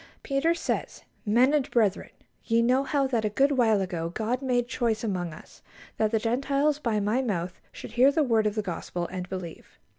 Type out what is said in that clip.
Peter says: "Men and brethren, ye know how that a good while ago God made choice among us, that the Gentiles by my mouth should hear the word of the Gospel, and believe.